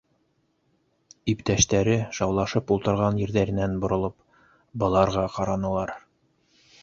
Иптәштәре, шаулашып ултырған ерҙәренән боролоп, быларға ҡаранылар.